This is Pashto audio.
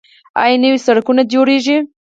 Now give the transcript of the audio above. آیا نوي سرکونه جوړیږي؟